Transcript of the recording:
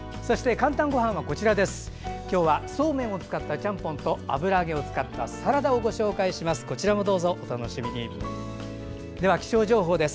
「かんたんごはん」は今日はそうめんを使ったちゃんぽんと油揚げを使ったサラダをご紹介します。